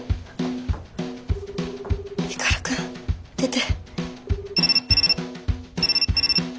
光くん出て。